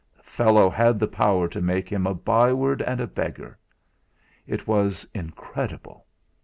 The fellow had the power to make him a byword and a beggar! It was incredible!